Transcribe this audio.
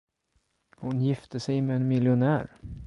Hon gifte sig med en miljonär.